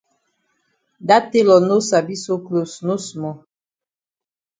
Dat tailor no sabi sew closs no small.